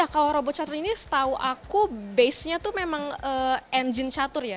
kalau robot catur ini setahu aku basenya itu memang engine catur ya